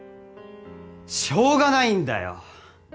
しょうがないんだよ！